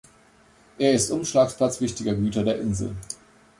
Er ist Umschlagplatz wichtiger Güter der Insel.